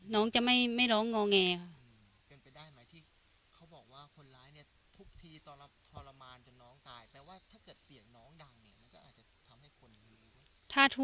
น้องจะไม่ร้องงอแงค่ะ